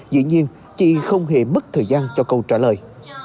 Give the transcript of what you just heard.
dĩ nhiên chị không hề mất thời gian cho câu trả lời